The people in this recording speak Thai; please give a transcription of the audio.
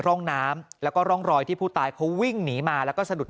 ร่องน้ำแล้วก็ร่องรอยที่ผู้ตายเขาวิ่งหนีมาแล้วก็สะดุด